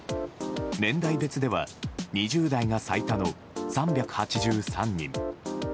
年代別では２０代が最多の３８３人。